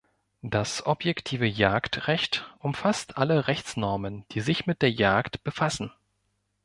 Das objektive Jagdrecht umfasst alle Rechtsnormen, die sich mit der Jagd befassen.